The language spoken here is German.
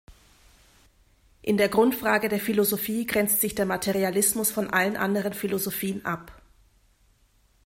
In der Grundfrage der Philosophie grenzt sich der Materialismus von allen anderen Philosophien ab.